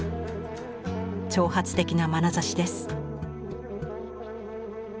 挑発的なまなざしです。